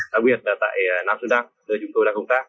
đặc biệt là tại nam sơn đăng nơi chúng tôi đang công tác